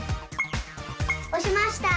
おしました！